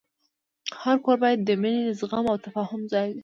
هر کور باید د مینې، زغم، او تفاهم ځای وي.